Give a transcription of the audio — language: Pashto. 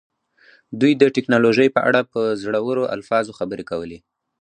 دوی د ټیکنالوژۍ په اړه په زړورو الفاظو خبرې کولې